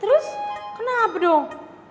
terus kenapa dong